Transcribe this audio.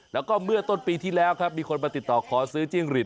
แล้วก็เมื่อต้นปีที่แล้วครับมีคนมาติดต่อขอซื้อจิ้งหลีด